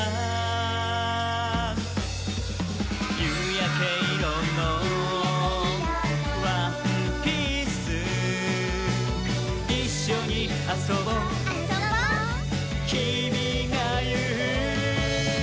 「ゆうやけいろのワンピース」「いっしょにあそぼ」「あそぼ」「きみがいう」